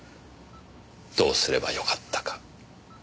どうすればよかったか。